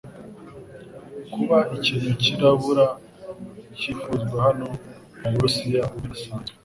kuba ikintu cyirabura cyifuzwa hano muburusiya; ubu birasanzwe